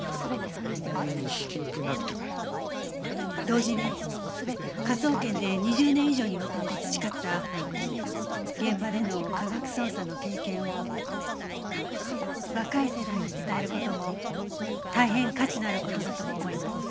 同時に科捜研で２０年以上にわたって培った現場での科学捜査の経験を若い世代に伝える事も大変価値のある事だとも思います。